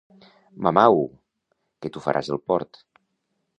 Mamau! que tu faràs el port.